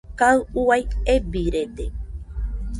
Kaɨ uai ebirede.